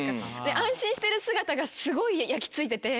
安心してる姿がすごい焼き付いてて。